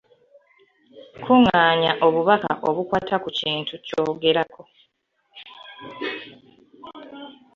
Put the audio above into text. Kungaanya obubaka obukwata ku kintu kyogerako.